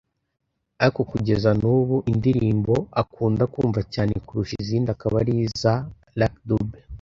ariko kugeza n’ubu indirimbo akunda kumva cyane kurusha izindi akaba ari iza Lucky Dube